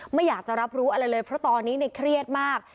ไม่อยากจะรับรู้อะไรเลยเพราะตอนนี้ในเครียดมาก